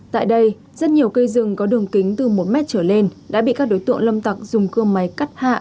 tại đây rất nhiều cây rừng có đường kính từ một mét trở lên đã bị các đối tượng lâm tặc dùng cưa máy cắt hạ